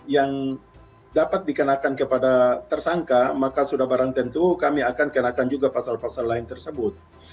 yang dapat dikenakan kepada tersangka maka sudah barang tentu kami akan kenakan juga pasal pasal lain tersebut